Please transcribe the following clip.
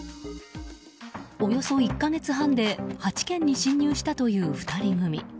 およそ１か月半で８軒に侵入したという２人組。